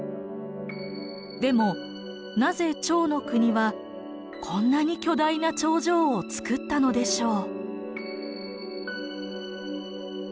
でもなぜ趙の国はこんなに巨大な長城をつくったのでしょう？